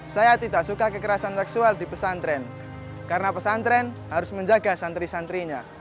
saya tidak suka kekerasan seksual di pesantren karena pesantren harus menjaga santri santrinya